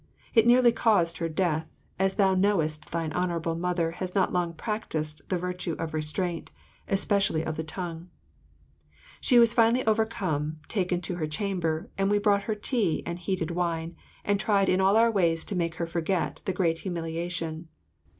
It nearly caused her death, as thou knowest thine Honourable Mother has not long practised the virtue of restraint, especially of the tongue. She was finally overcome taken to her chamber, and we brought her tea and heated wine, and tried in all our ways to make her forget the great humiliation.